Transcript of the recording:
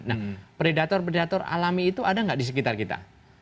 nah predator predator alami itu ada nggak di sekitar kita